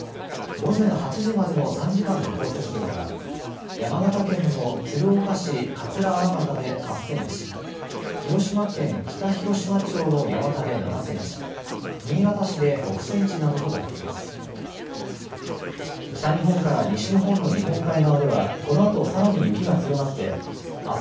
午前８時までの３時間の降雪量は山形県の鶴岡市桂荒俣で８センチ、広島県北広島町の八幡で７センチ、新潟市で６センチなどとなっています。